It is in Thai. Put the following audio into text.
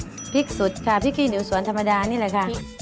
เริ่มแรกพริกสุดค่ะพริกขี้หนูสวนธรรมดานี่แหละค่ะ